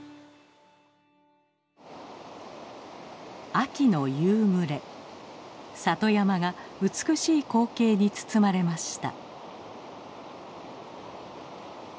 秋の夕暮れ里山が美しい光景に包まれました。